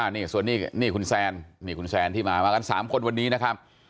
อันนี้คุณแซนหรือคุณกติก